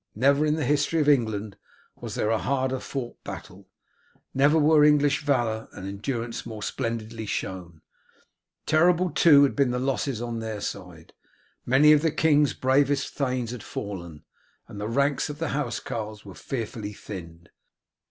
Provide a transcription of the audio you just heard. Never in the history of England was there a harder fought battle; never were English valour and endurance more splendidly shown. Terrible, too, had been the losses on their side. Many of the king's bravest thanes had fallen, and the ranks of the housecarls were fearfully thinned.